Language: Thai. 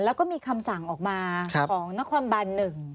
แล้วก็มีคำสั่งออกมาของนครบัน๑